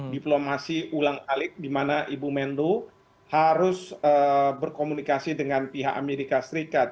diplomasi ulang alik di mana ibu menlu harus berkomunikasi dengan pihak amerika serikat